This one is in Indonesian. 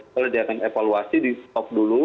kalau diadakan evaluasi di off dulu